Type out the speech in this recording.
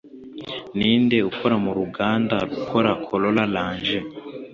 Ninde ukora mu uruganda rukora Corolla Rang?